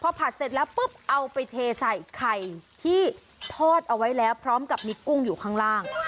พอผัดเสร็จแล้วปุ๊บเอาไปเทใส่ไข่ที่ทอดเอาไว้แล้วพร้อมกับมีกุ้งอยู่ข้างล่าง